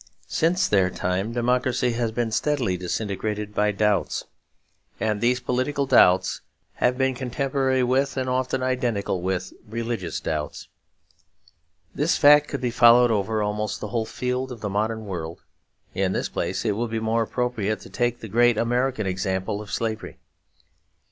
Since their time democracy has been steadily disintegrated by doubts; and these political doubts have been contemporary with and often identical with religious doubts. This fact could be followed over almost the whole field of the modern world; in this place it will be more appropriate to take the great American example of slavery.